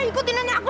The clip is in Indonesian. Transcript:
ikutin nenek aku